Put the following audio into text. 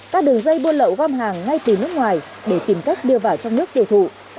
các đường dây buôn lậu gom hàng ngay từ nước ngoài để tìm cách đưa vào trong nước tiêu thụ